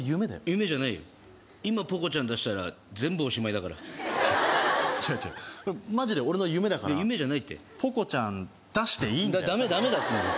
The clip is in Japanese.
今ポコちゃん出したら全部おしまいだから違う違うマジで俺の夢だから夢じゃないってポコちゃん出していいんだよダメダメだっつうんだよ